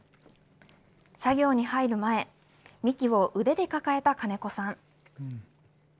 作業に入る前、幹を腕で抱えた金子さん。